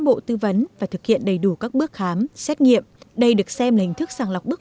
bộ tư vấn và thực hiện đầy đủ các bước khám xét nghiệm đây được xem là hình thức sàng lọc bước